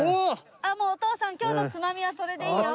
ああもうお父さん今日のつまみはそれでいいよ。